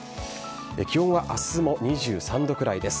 気温は明日も２３度くらいです。